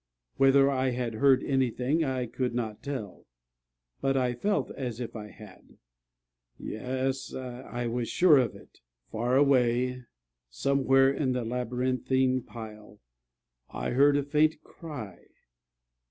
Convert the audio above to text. Whether I had heard anything I could not tell; but I felt as if I had. Yes; I was sure of it. Far away, somewhere in the labyrinthine pile, I heard a faint cry.